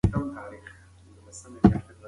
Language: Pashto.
کینه د بې اعتمادۍ لامل ګرځي.